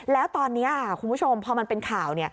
แล้วตอนนี้คุณผู้ชมพอมันเป็นข่าว